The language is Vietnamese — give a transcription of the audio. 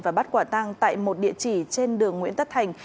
và bắt quả tang tại một địa chỉ trên đường nguyễn tất thành